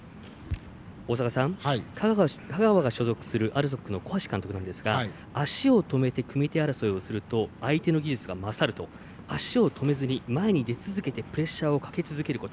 大坂さん、香川が所属するＡＬＳＯＫの小橋監督ですが足を止めて組み手争いをすると相手の技術が勝ると足を止めずに前に出てプレッシャーをかけ続けること。